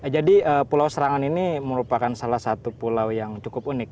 pulau serangan ini merupakan salah satu pulau yang cukup unik